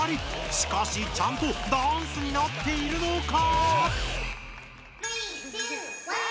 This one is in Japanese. しかしちゃんとダンスになっているのか！？